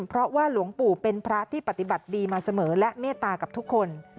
เพราะว่าหลวงปู่เป็นพระที่ปฏิบัติดีมาเสมอและเมตตากับทุกคน